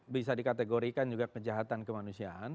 bisa dikategorikan juga kejahatan kemanusiaan